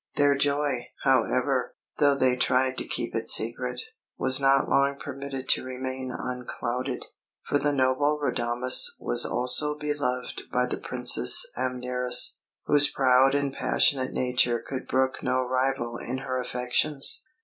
Their joy, however, though they tried to keep it secret, was not long permitted to remain unclouded; for the noble Radames was also beloved by the Princess Amneris, whose proud and passionate nature could brook no rival in her affections.